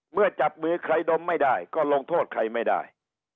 จับมือใครดมไม่ได้ก็ลงโทษใครไม่ได้